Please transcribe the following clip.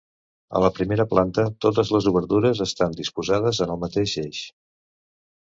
A la primera planta totes les obertures estan disposades en el mateix eix.